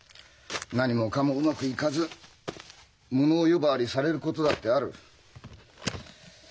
何もかもうまくいかず無能呼ばわりされることだってある。